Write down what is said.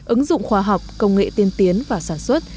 ứng dụng khoa học công nghệ tiên tiến vào sản xuất